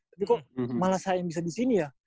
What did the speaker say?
tapi kok malah saya yang bisa disini ya